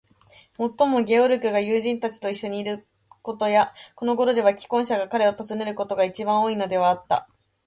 もっとも、ゲオルクが友人たちといっしょにいることや、このごろでは婚約者が彼を訪ねることが、いちばん多いのではあった。